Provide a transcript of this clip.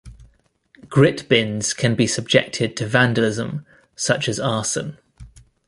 Grit bins can be subjected to vandalism, such as arson.